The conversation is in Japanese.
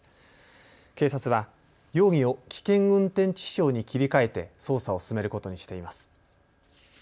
警察は、容疑を危険運転致死傷に切り替えて捜査を進めることにしています。